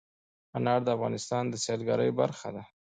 انار د افغانستان د سیلګرۍ برخه ده.